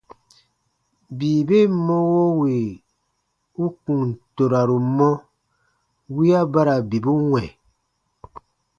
Bii ben mɔwo wì u kùn toraru mɔ, wiya ba ra bibu wɛ̃.